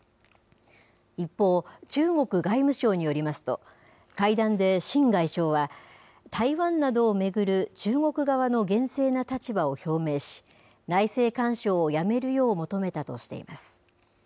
一方、中国外務省によりますと、会談で秦外相は、台湾などを巡る中国側の厳正な立場を表明し、内政干渉をやめるよう求めたとしています。